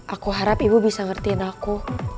aku harap ibu bisa ngertiin aku